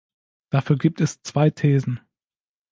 Dafür gibt es zwei Thesen.